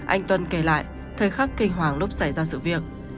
anh tuân kể lại thời khắc kinh hoàng lúc xảy ra sự việc